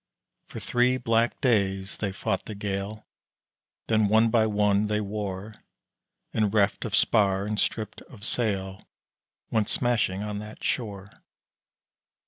For three black days they fought the gale, Then one by one they wore And reft of spar and stripped of sail Went smashing on that shore.